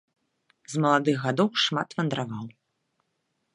З маладых гадоў шмат вандраваў.